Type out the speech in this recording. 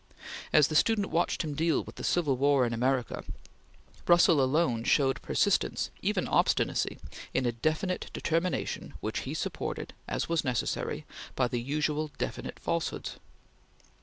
As the student watched him deal with the Civil War in America, Russell alone showed persistence, even obstinacy, in a definite determination, which he supported, as was necessary, by the usual definite falsehoods.